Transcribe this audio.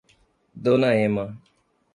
Dona Emma